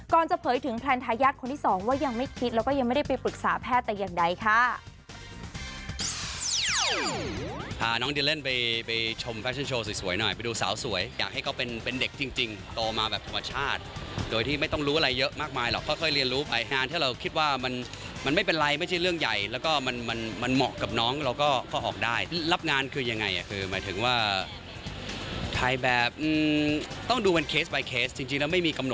จะเผยถึงแพลนทายาทคนที่สองว่ายังไม่คิดแล้วก็ยังไม่ได้ไปปรึกษาแพทย์แต่อย่างใดค่ะ